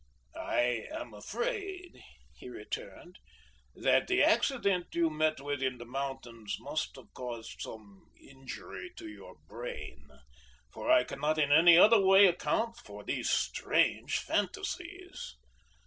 "I am afraid," he returned, "that the accident you met with in the mountains must have caused some injury to your brain; for I cannot in any other way account for these strange fantasies."